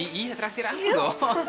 iya traktir aku